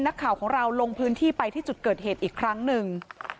นักข่าวของเราลงพื้นที่ไปที่จุดเกิดเหตุอีกครั้งหนึ่ง